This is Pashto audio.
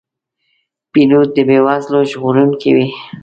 پیلوټ د بې وزلو ژغورونکی وي.